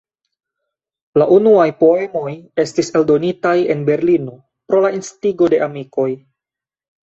La unuaj poemoj estis eldonitaj en Berlino pro la instigo de amikoj.